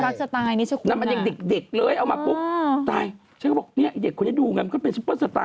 บ้านนี่คุณหล่อน่ารักสไตล์นี่ใช่ไหมคุณน่ะ